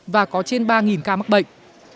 và có trên ba ca mắc bệnh